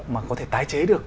mà có thể tái chế được